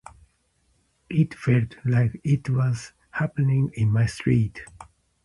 It felt like it was happening in my street.